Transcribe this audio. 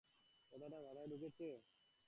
কথাটা মাথায় ঢুকেছে?